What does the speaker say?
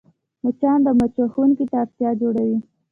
مچان د مچ وهونکي ته اړتیا جوړوي